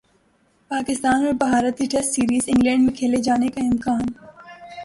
پاکستان اور بھارت کی test series England میں کھیلے جانے کا امکان